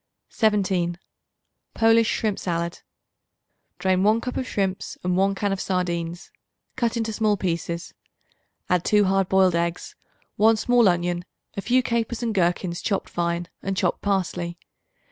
17. Polish Shrimp Salad. Drain 1 cup of shrimps and 1 can of sardines; cut into small pieces. Add 2 hard boiled eggs, 1 small onion, a few capers and gherkins chopped fine and chopped parsley.